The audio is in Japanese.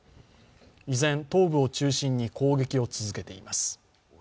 依然、東部を中心に攻撃を続けています。